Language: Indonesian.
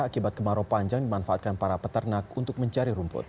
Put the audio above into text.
akibat kemarau panjang dimanfaatkan para peternak untuk mencari rumput